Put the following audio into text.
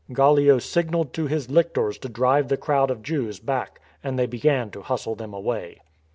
" Gallio signalled to his lictors to drive the crowd of Jews back, and they began to hustle them away.